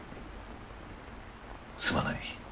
すまない。